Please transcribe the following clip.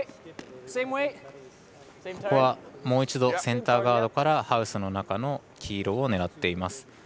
もう一度、センターガードから真ん中の黄色を狙っています。